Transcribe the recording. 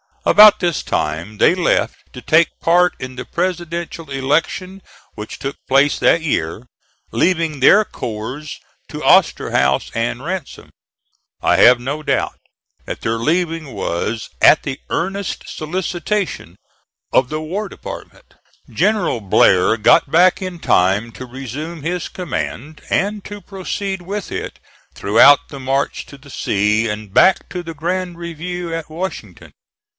About this time they left to take part in the presidential election, which took place that year, leaving their corps to Osterhaus and Ransom. I have no doubt that their leaving was at the earnest solicitation of the War Department. General Blair got back in time to resume his command and to proceed with it throughout the march to the sea and back to the grand review at Washington.